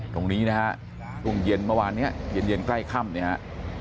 ตรงนี้นะฮะช่วงเย็นเมื่อวานนี้เย็นใกล้ค่ำเนี่ยฮะ